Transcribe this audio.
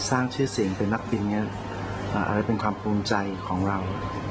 อาจจะเป็นความภูมิใจของเรา